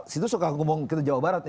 situ suka ngomong kita jawa barat